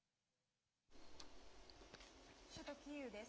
首都キーウです。